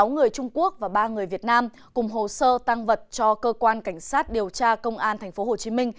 sáu người trung quốc và ba người việt nam cùng hồ sơ tăng vật cho cơ quan cảnh sát điều tra công an tp hcm